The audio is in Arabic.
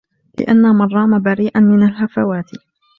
لِأَنَّ مَنْ رَامَ بَرِيئًا مِنْ الْهَفَوَاتِ